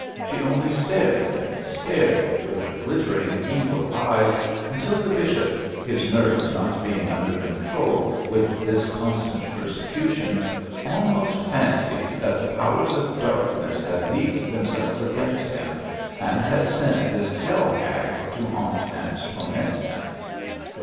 She only stared and stared with her glittering, evil eyes, until the bishop his nerves not being under control with this constant persecution almost fancied that the powers of darkness had leagued themselves against him, and had sent this hell hag to haunt and torment him.